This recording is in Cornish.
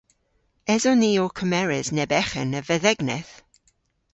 Eson ni ow kemeres neb eghen a vedhegneth?